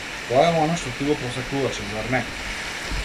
Тоа е она што ти го посакуваше, зар не?